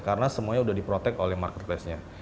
karena semuanya sudah di protect oleh marketplace